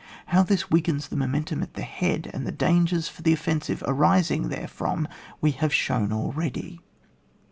How this weakens the momentum at the head, and the dangers for the offensive arising therefrom, we have shown already.